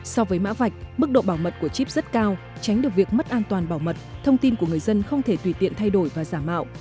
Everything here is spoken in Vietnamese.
so với mã vạch mức độ bảo mật của chip rất cao tránh được việc mất an toàn bảo mật thông tin của người dân không thể tùy tiện thay đổi và giả mạo